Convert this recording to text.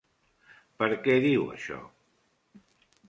Per què diu això?